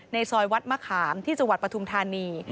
ซอยวัดมะขามที่จังหวัดปฐุมธานี